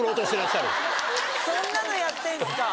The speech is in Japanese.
そんなのやってんすか。